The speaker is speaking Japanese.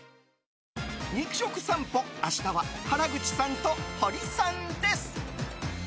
肉食さんぽ明日は、原口さんとホリさんです。